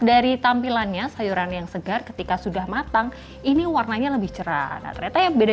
dari tampilannya sayuran yang segar ketika sudah matang warnanya lebih cerah